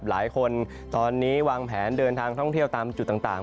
หลายคนตอนนี้วางแผนเดินทางท่องเที่ยวตามจุดต่าง